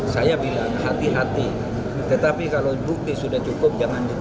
saya bilang hati hati tetapi kalau bukti sudah cukup